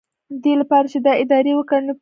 ددې لپاره چې د ادارې په کړنو پوه شو.